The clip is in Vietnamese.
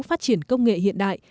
phát triển công nghệ hiện đại